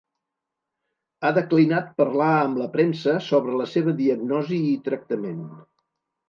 Ha declinat parlar amb la premsa sobre la seva diagnosi i tractament.